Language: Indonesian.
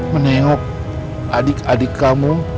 menengok adik adik kamu